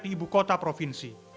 di ibu kota provinsi